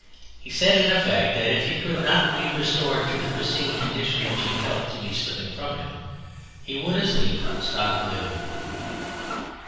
He said in effect that if he could not be restored to the pristine condition which he felt to be slipping from him he would as lief stop living.